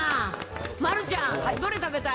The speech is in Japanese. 丸ちゃん、どれ食べたい？